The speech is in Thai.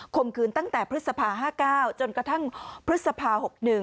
มขืนตั้งแต่พฤษภา๕๙จนกระทั่งพฤษภา๖๑